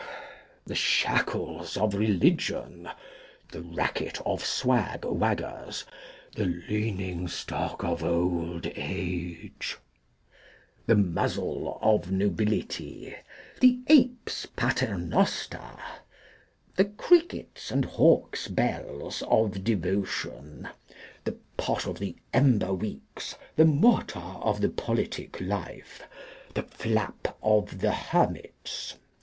The Shackles of Religion. The Racket of Swag waggers. The Leaning stock of old Age. The Muzzle of Nobility. The Ape's Paternoster. The Crickets and Hawk's bells of Devotion. The Pot of the Ember weeks. The Mortar of the Politic Life. The Flap of the Hermits.